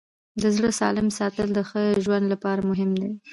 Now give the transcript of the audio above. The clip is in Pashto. د زړه سالم ساتل د ښه ژوند لپاره مهم دي.